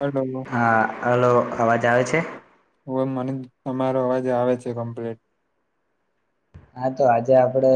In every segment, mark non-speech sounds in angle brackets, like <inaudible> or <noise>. <unintelligible> હા હલો અવાજ આવે છે? તમારો અવાજ આવે છે કમ્પ્લીટ હા તો આજે આપડે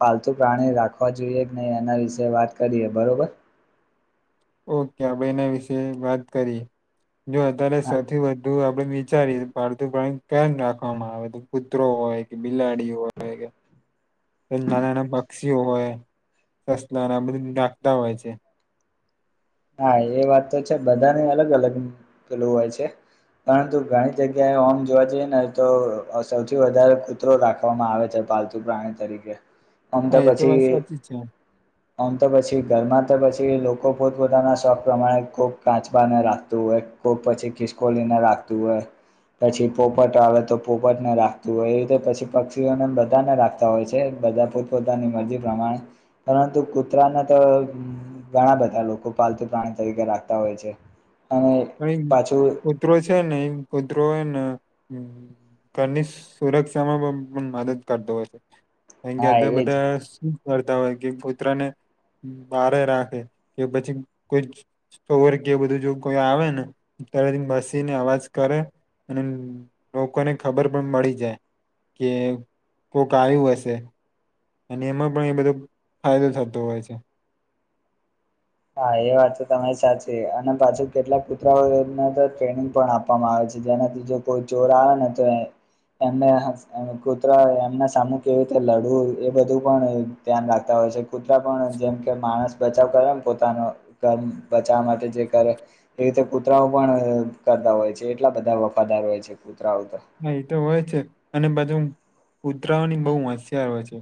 પાલતુ પ્રાણી રાખવા જોઈએ કે નહી એના વિશે વાત કરીએ બ બરોબર ઓકે આપડે એના વિશે વાત કરી જો અત્યારે સૌથી વધુ આપ વિચારી પાલતુ પ્રાણી કેમ રાખવામાં આવે તો કૂતરો હોય કે બિલાડી હોય કે નાના નાના પક્ષીઓ હોય સસલા ના બધ નાખતા હોય છે હા એ વાત તો છે બધા ને અલગ અલગ પેલું હોય છે પરંતુ ઘણી જગ્યાએ ઓમ જોવા જઈએ ને તો સૌથી વધારે કુતરો રાખવામાં આવે છે પાલતું પ્રાણી તરીકે આમ તો હા એ પછી વાત સાચી જ છે આમ તો પછી ઘરમાં તો પછી લોકો પોત પોતાના શોખ પ્રમાણે ખૂબ કાચબાને રાખતું હોય ખૂબ પછી ખિસકોલીને રાખતું હોય પછી પોપટ આવે તો પોપટ ને રાખતું હોય એ રીતે પછી પક્ષીઓને બધાને રાખતા હોય છે બધા પોતપોતાની મરજી પ્રમાણે પરંતુ કુતરાને તો ઘણા બધા લોકો પાલતુ પ્રાણી તરીકે રાખતા હોય છે અને અ પાછું કૂતરો છે ને એ કૂતરો એ ને ઘરની સુરક્ષામાં પણ પણ મદદ કરતો હોય છે કારણ કે હા અત્યાર એજ બધા શું કરતા હોય કે કુતરા ને બારે રાખે કે પછી કોઈ સવર કે બધું જો કોઈ આવે ને ત્યારે બેસીને અવાજ કરે અને લોકોને ખબર પણ મળી જાય કે કોક આયું હશે અને એમાં પણ એ બધો ફાયદો થતો હોય છે હા એ વાત તો સાચી અને પાછું કેટલાક કુતરાઓને તો ટ્રેનિંગ પણ આપવામાં આવે છે જેનાથી જો કોઈ ચોર આવે ને તો એ એમને કૂતરા એમના સામું કેવી રીતે લડવું એ બધું પણ ધ્યાન રાખતા હોય કૂતરા પણ જેમ કે માણસ બચાવ કરે પોતાનો ઘ બચાવવા માટે જે કરે એ રીતે કુતરાઓ પણ કરતા હોય છે એ બધા વફાદાર હોય છે કુતરા હા એ તો હોય છે અને બાજુ કુતરાઓની બહુ હોશિયાર હોય છે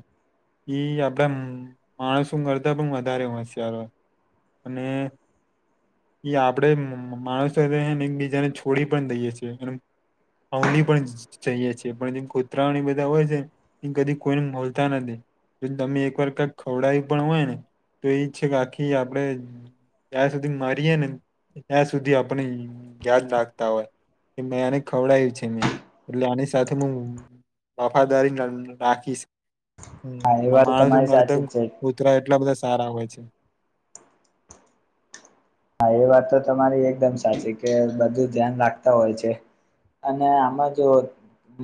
ઈ આપણા માણસો કરતા પણ વધારે હોશિયાર હોય અને એ આપણેે માણસોને એકબીજાને છોડી પણ દઈએ છીએ એ અવલી પણ જઈએ છેીએ પણ જે કૂતરાઓ બધા હોય છેને એ કદી કોઈને મળલતા નથી જો તમે એકવાર કઈક ખવડાયું પણ હોય ને તો એ છે કે આખી આપણેે ત્યાં સુધી મારીએે ને ત્યાં સુધી આપણને યાદ રાખતા હોય એ મેં આને ખવડાયું છે એટલે આની સાથે હું વફાદારી રાખીશ હા હ એ વાત તો માણસ તમારી કરતા સાચી જ છે કુતરા એટલા બધા સારા હોય છે <inaudible> હા એ વાત તો તમારી એકદમ સાચી કે બધું ધ્યાન રાખતા હોય છે અને આમાં જો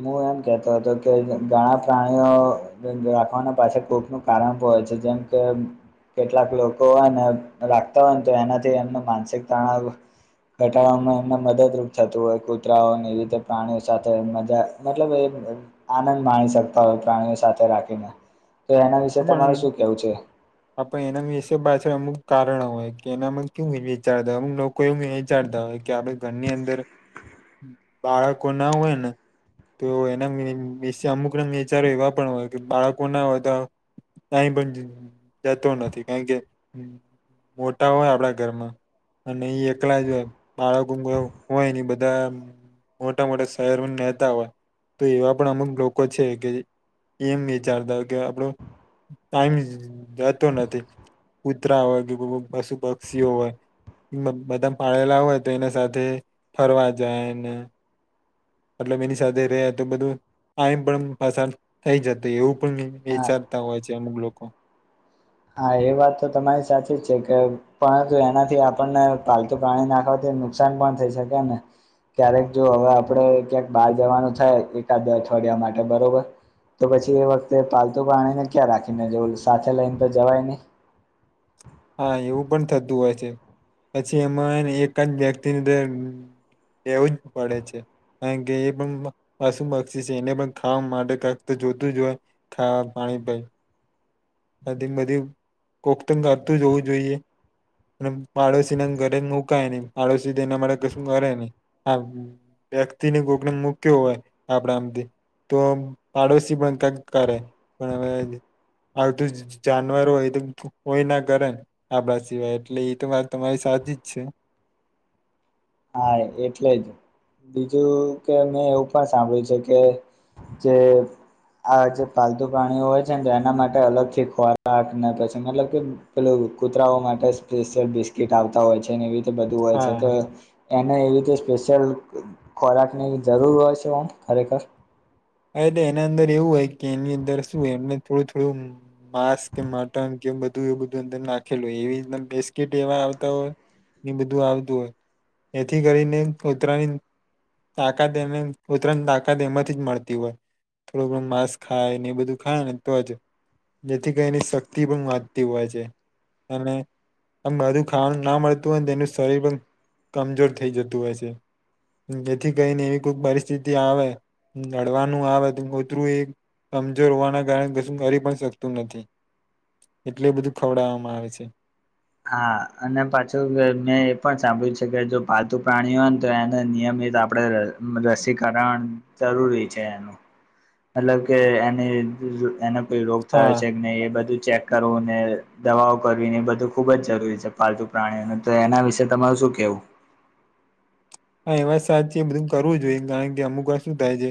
હું એમ કેતો હતો કે ઘણા પ્રાણીઓ રાખવાના પાછ કોકનું કારણ પણ જેમ કે કેટલાક લોકો હોય ને રાખતા હોય ને તો એનાથી એમ માનસિક તણાવ ઘટાડવામાં એમને મદદરૂપ થતું હોય કૂતરાઓ એવી રીતે પ્રાણીઓ સાથે મજા મતલબ એ આનંદ માણી શકતા હોય પ્રાણીઓ સાથે રાખીને તો એના વિશે તમારે પણ શું કેવું છે <unintelligible> આપ એના વિશે પાછળ અમુક કારણો હોય કે એનામાં કેું વિચારતા હોય અ લોકો એવું વિચારતા હોય કે આપણે ઘરની અંદર બાળકો ના હોય ને તો એના <unintelligible> અમુક ના નેચર એવા પણ હોય કે બાળકો ના હોયતા કઈ પણ જતો નથી કારણ કે <inaudible> મોટા હોય આપડા ઘરમાં અને એ એકલા જ <unintelligible> બાળકો <unintelligible> હોય ને બધા મોટા મોટા શહેરો નહતા હોય <unintelligible> તો એવા પણ અમુક લોકો છે કે એમ વિચારતા કે આપણો ટાઈમ જતો નથી <inaudible> કૂતરા હોય કે પશુ પક્ષીઓ હોય બધા પાળેલા હોય તો એના સાથે ફરવા જાય ને મતલબ એની સાથે રે તો બધું આમ પણ પાછા થઈ જત એવું પણ હા વિચારતા હોય છે અમુક લોકો <inaudible> હા એ વાત તો તમારી સાચી જ છે કે પરંતુ એનાથી આપણને પાલતુ પ્રાણી નાખવાથી નુકસાન પણ થઈ શકે ને ક્યારેક જો હવે આપડે ક્યાંક બહાર જવાનું થાય એકાદ અઠવાડિયા માટે બરોબર તો પછી એ વખતે પાલતુ પ્રાણી ને ક્યાં રાખીને જોવ સાથે લઈને તો જવાય નહી <unintelligible> હા એવું પણ થતું હોય છે પછી એમાં એક જ વ્યક્તિનીંદર એવું જ પડે છે કારણ કે એ પણ પશુ પક્ષી છે એને પણ ખાવા માટે કક <inaudible> જોતું જ હોય ખાવા પાણી ભાઈ <inaudible> નદી બધી કોકતંગ કરતું જ હોવું જોઈએ અને પાડોશીને ઘરે મુકાય નહી પાડોશી એના માટે કશું કરે નઈ હા વ્યક્તિને ગોકને મૂક્યો હોય આપણા આમથી તો પાડોશી પણ ક કરે પણ હવે આવધું જાનવર હોય તો હોય ના કરે આપણા સિવાય એટલે એ તો મા તમારી સા <inaudible> છે <unintelligible> હા એટલે જ બીજું કે મેં એવું પણ સાંભળ્યું છે કે જે <inaudible> આ જે પાલતુ પ્રાણીઓ હોય છે જે એના માટે અલગ થી ખોરાક ને પછી મતલબ કે પેલું કૂતરાઓ હા એને એવી રીતે સ્પેશિયલ ખોરાકની હા એટલે એના અંદર એવું હોય કે એની અંદર શું એમને થોડું થોડું માંસ કે મટન કે બધું એ બધું અંદર નાખેલું એવી બિસ્કીિટ એવા આવતા હોય ને બધું આવત એથી કરીને પૂત્રની <unintelligible> તાકાત એને <unintelligible> પૂત્રની તાકાત એમાંથી મળતી <unintelligible> હો થોડું ઘણું માંસ ખાય ને એ બધું ખાય ને તો જ જેથી કે એની શક્તિ પણ વાંચતી હોય છે અને આમ બધું ખાવાનું ના મળતું હોય તેનું શરીર પણ કમજોર થઈ જતું હોય છે એથી કઈને એવી કોઈ પરિસ્થિતિ આવે લડવાનું આ કતરું એ કમજોર હોવાના કારણે કશું કરી પણ શકતું નથી <inaudible> એટલે બધું ખવડવામાં આવે છે હા અને પાછું મેં એ પણ સાંભળ્યું છે કે જો પાલતુ પ્રાણીઓ હોય ને તો એને આપડે રસીકરણ જરૂરી છે એનું મતલબ કે એને એનો કોઈ રોગ થયો હા છે કે નહી એ બધું ચેક કરવું ને દવાઓ કરવી ને એ બધું ખુબ જ જરૂરી છે પાલતુ પ્રાણીઓનું તો એના વિશે સુ કેવું <unintelligible> હા એવાત સાચ છેી બધું કરવું જોઈએ કારણ કે અમુક શું થાય છે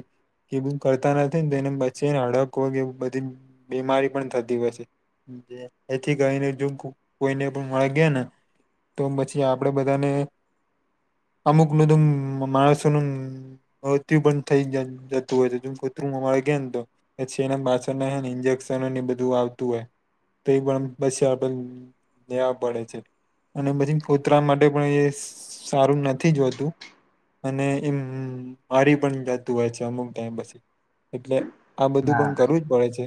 એ બું કરતા નથી ને તો એને વચ્ચેને હડક હોય કે બધી બીમારી પણ થતી હોય છે એથી કરીને જો <unintelligible> કોઈને પણ મળી ગયા ને તો પછી આપણેે બધાને <inaudible> અમુક નધ માણસોનું. હ તું પણ થઈ જતું હોય છે જેમ કતરું અમારે કે ને તો છેના બાછણને ઇજે. ન બધું આવતું હોય તો એ પણ બ પડે છે. અને પછી કોતરા માટે પણ એ સારું નથી જોતું. અને એમ મારી પણ જતું હોય છે અમુક ટાઈમ પછી એટલે. આ બધું હા પણ કરવું જ પડે છે.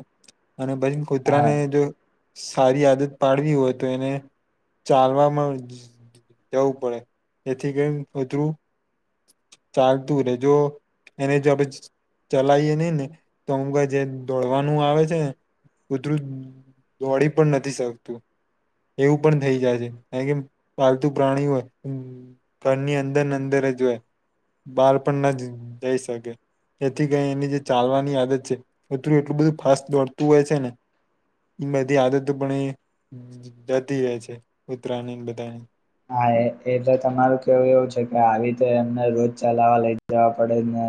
અને બછી હા કુતરાને જો. સારી આદત પાડવી હોય તો એને ચાલવામાં. જવું પડે એથી કેમ અધરું ચાલતું રહે જો. એને જો ચલાવીએ નઈ ને તો અમક જે દોડવાનું આવે છે ને. કુતરું દોડી પણ નથી શકતું. એવું પણ થઈ જાય છે કાર કે પાલતુ પ્રાણીઓ. અંદર અંદર જય બહાર પણ ના જઈ શકે. એથી કઈ એની જે ચાલવાની આદત છે મિતું એટલું બધું ફાસ્ટ દોડતું હોય છે ને. એ બધી આદતો પણ એ જતી રહે છે ઉતરાયની બધાની. હા એ એટલે તમારું કેવું એવું છે કે આવી રતે એમને રોજ ચલાવવા લઈ જવા પડે ને.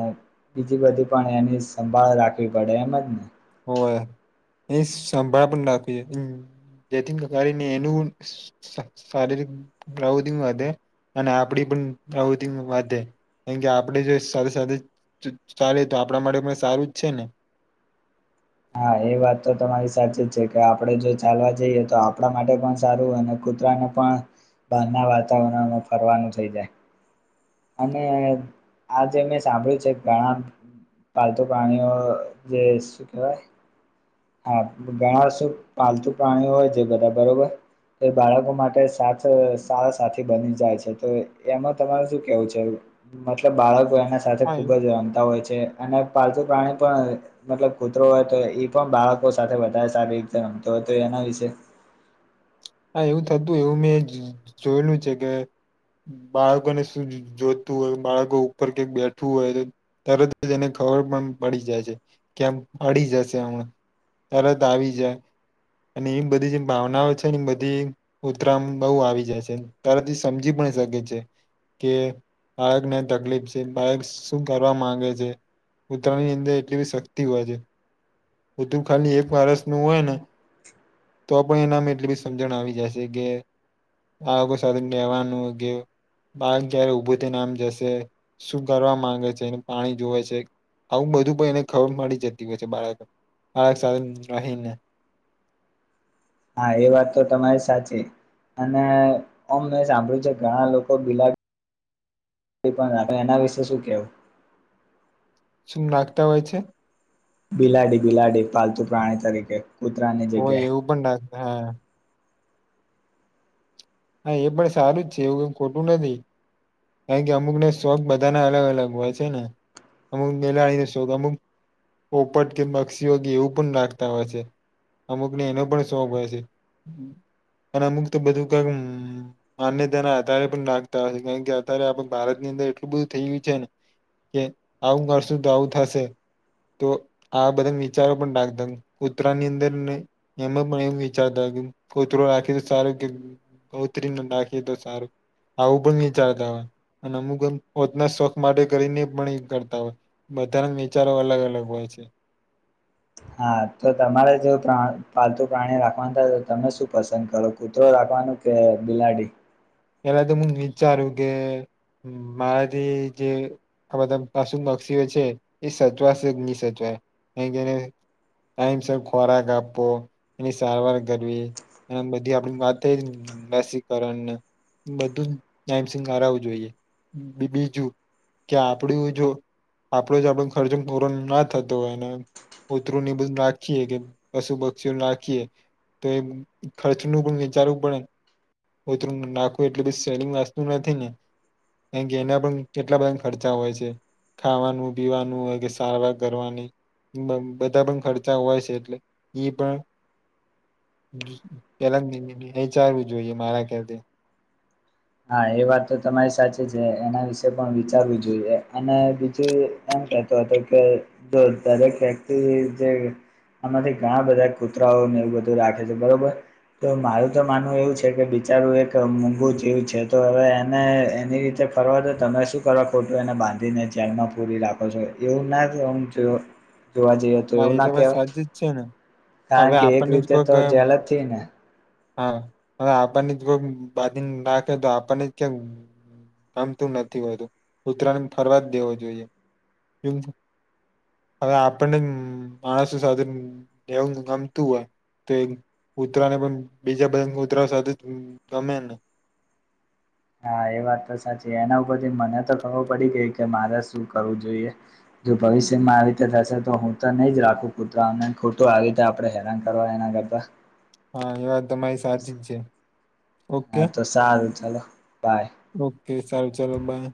બીજી બધી પણ એની સંભાળ રાખવી પડે એમજ ને. ઓવે એ સંભાળ પણ રાખ હમ. જેન કકારને એનું શારીરિક વધે. અને આપડી પણ આવધ વાત. કારણ કે આપણેે જો સાથે સાથે ચાલે તો આપણા માટે પણ સારું જ છે ને. હા એ વાત તો તમારી સાચી જ છે કે આપડે જો ચાલવા જઈએ તો આપણા માટે પણ સારું અને. કતરાને પણ બહારના વાતાવરણમાં ફરવાનું થઈ જાય. અને આજ મેં સાંભળ્યું છે ઘણા. પાલતુ પ્રણીઓ જે શું કેવાય. હા ઘણા શું પાલતુ પ્રાણીઓ હોય જે બધા બરોબર. એ બાળકો માટે સા સારા સાથી બની જાય છે તો એમાં તમારે શું કેવું છે. મતલબ બાળક. એના સાથે હા ખૂબ જ રમતા હોય છે અને પાલતુ પ્રાણી પણ મતલબ કૂતરો હોય તો એ. પણ બાળકો સાથે વધારે સારી રીતે રમતો હતો એના વિશે. હા એવું થતું એવું મેં જોયેલું છે કે. બાળકોને શું જોતતું હોય બાળકો ઉપર કઈક બેઠવું હોય તરત જ એને. ખબર પણ પડી જાય છે કેમ પડી જશે હમણા તરત આવી જાય. અને એવી બધી જે ભાવનાઓ છે. બધી ઉતરામ બહુ આવી જાય છે તારાથી સમજી પણ શકે છે. કે બાળકને તકલીફ છે બાળક શું કરવા માંગે છે. ઉત્તરાયણની અંદર એટલી બી શક્તિ હોય છે. બધું ખાલી એક વારસ નું હોય ને તો પણ એનામ એટ. સમજણ આવી જાયશે કે આગ સાથે રહેેવાનું કે. બાક જયારે ઉઊભો થઈ નામ જશે શું કરવા માંગે છેને પાણી જોવે છે. આવું બધું પણ એને ખબર મળડી જતી હોય છે બાળક બાળક સાથે રહી ને. હા એ વાત તો તમારી સાચી. અને ઓમ મેં સાંભળ્યું છે ઘણા લોકો ભીલા. પણ આપ એના વિશે શું કહેવું. શુંમ લખતા હોય છે. બિલાડી બિલાડી પાલતુ પ્રાણી તરીકે. કૂતરાની હોય જગ્યાએ એવું પણ રાખ હા. હા એ પણ સારું જ છે એવું કઈ ખોટું નથી. કારણ કે અમુકને શોખ બધાને અલગ અલગ હોય છે ને. અમુક મેલાડી નો શોખ અમુક પોપટ કે બક્ષીઓગી એવું પણ લખતા હોય છે. અમુક ને એનો પણ શોભ હોય છે, અને અમુક તો બધું કહી. <unintelligible> <inaudible> અને તેના આધારે પણ નાખતા હશે કારણ કે અત્યારે આપ ભારત ની અંદર એટલું બધું થઈ ગયું છે, ને કે આવું કરશું, તો આવું થશે. તો આ બધા વિચારવા પણ રાખતા કુતરા ની અંદરને એમાં પણ એમ વિચારતા. ફોતરો રાખીએ તો સારું કે ગૌત્રી રાખીએ તો સારું. આવું પણ વિચારતા હોય અને અમુક પોતના શોખ માટે કરીને પણ એ કરતા હોય. બધાંના વિચારો અલગ અલગ હોય છે. <unintelligible> <inaudible> હા તો તમારે જો પાલતુ પ્રાણી રાખવાનું થાય તો તમે શું પસંદ કરો કૂતરો રાખવાનો. અને ન કે બિલાડી પહેલા વિચારાયું કે. હું મારાથી જે આધા પાસુ પક્ષીઓ છે, એ સચવાશે સચવાય. તમે જ્યારે ટાઇમસર ખોરાક આપવો, એની સારવાર કરવી. અને બધી આપડી વાત થઈ, રસીકરણ બધું જ નાયમસિંગ હારવું જોઈએ, બીજું કે આપડું જો આપણો જ આપણ ખર્ચ પૂરો ના થતો હોયને પૂતરું બધું નાખીએ કે પશુ પક્ષીઓ નાખીએ. તો એ ખર્ચનું પણ વિચારવું પડે ઓતરું નાખવા. આખું એટલી બધી સેલિંગ વાસ્તુ નથી ને કારણ કે એના પણ કેટલા બધા ખર્ચા હોય છે. ખાવાનું પીવાનું હોય કે સારવાર કરવાની. બધા પણ ખર્ચા હોય છે, એટલે ઈ પણ અલગચારવું જોઈએ મારા કથી <inaudible> હા એ વાત તો તમારી સાચી છે, એના વિશે પણ વિચારવું જોઈએ, અને બીજું તો કે જે આમાંથી ઘણા બધા કૂતરાઓને એવું બધું રાખે છે, બરોબર તો મારું તો માનવું એવું છે, કે બિચારું એક મુગું જીવ છે. છે, તો હવે એને એની રીતે ફરવા તો તમે શું કરો ખોટું એને બાંધીને ચેરમાં પૂરી રાખો છો. એવું ના જો જોવા જઈએ, તો હા એવું એ ના વાત કેવાય. સાચી જ છે ને કારણ હવે કે એક આપણને જ રીતે કોઈક તો જેલ જ થઇ ને હા હ આપણને જ કોઈ બાંધીને નાખે તો આપણને જ કેમ. આમ તુ નથી વધુ, કુતરા ને ફરવા જ દેવો જોઈએ. હવે આપણને માણસો સાથે બેસવું ગમતું હોય. તેમ કૂતરાને પણ બીજા બધા કૂતરા સાથે ગમે નહીં. <unintelligible> <inaudible> હા એ વાત તો સાચી એના ઉપરથી મને તો ખબર પડી ગઈ કે મારે શું કરવું જોઈએ. જો ભવિષ્યમાં આવી રીતે થશે તો હું તો નહી જ રાખું ખું ખોટું આવી રીતે આપણે હેરાન કરવા, એના બાબા. હા એ વાત તમારી સાચી જ છે. ઓકે હા તો સારું ચલો. ઓકે સારું ચાલો બાય.